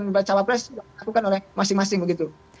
dan baca capres dilakukan oleh masing masing begitu